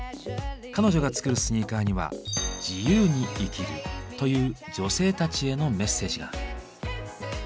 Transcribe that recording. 彼女が作るスニーカーには「自由に生きる」という女性たちへのメッセージが。